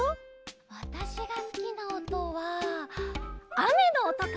わたしがすきなおとはあめのおとかな！